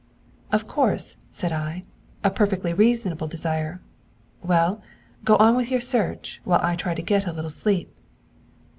'Of course,' said I, 'a perfectly reasonable desire. Well, go on with your search, while I try to get a little sleep.'